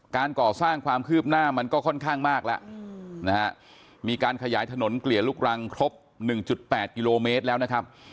การก่อสร้างความคืบหน้ามันก็ค่อนข้างมากแล้วนะฮะมีการขยายถนนเกลี่ยลูกรังครบ๑๘กิโลเมตรแล้วนะครับ